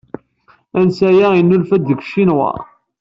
Ansay-a yennulfa-d deg Ccinwa.